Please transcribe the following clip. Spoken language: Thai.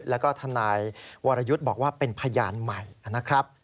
แล้วก็ทนายวรยุทธ์บอกว่าเป็นพยานใหม่นะครับ